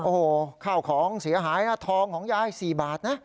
โอ้โหข้าวของเสียหายนะทองของยาย๔บาทนะ